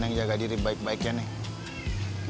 neng jaga diri baik baiknya neng